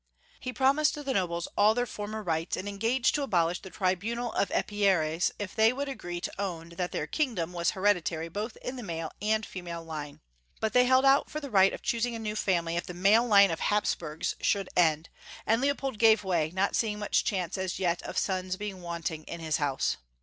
He promised the nobles all their former rights, and engaged to abolish the tribimal of Epe ries if they would agree to own that their kingdom was hereditary both in the male and female line, Leopold 1. 365 but they held out for the right of choosing a new family if the male line of Hapsburga should end, and Leopold gave way, not seeing much chance as yet of sons being wanting to his house.